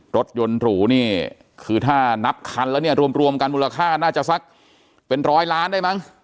รถยนต์หรูนี่คือถ้านับคันแล้วเนี่ยรวมกันมูลค่าน่าจะสักเป็นร้อยล้านได้มั้ง